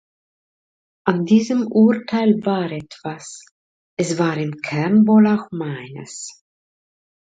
An diesem Urteil war etwas; es war im Kern wohl auch meines“.